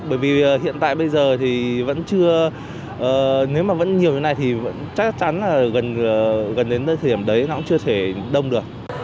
bởi vì hiện tại bây giờ thì vẫn chưa nếu mà vẫn nhiều như thế này thì chắc chắn là gần đến thời điểm đấy nó cũng chưa thể đông được